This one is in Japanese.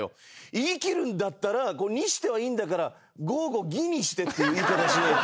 言い切るんだったら「にして」はいいんだから「ごうごぎにして」って言い方しないと。